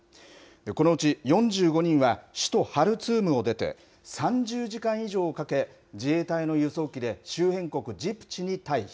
このうち、４５人は首都ハルツームを出て、３０時間以上かけ、自衛隊の輸送機で周辺国ジブチに退避。